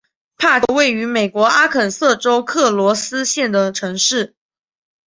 帕金是一个位于美国阿肯色州克罗斯县的城市。